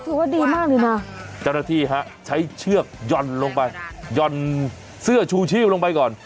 ถือว่าดีมากเลยนะเจ้าหน้าที่ฮะใช้เชือกหย่อนลงไปหย่อนเสื้อชูชีพลงไปก่อน